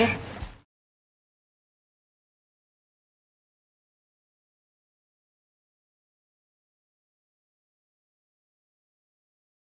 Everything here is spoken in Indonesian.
aku masih mau makan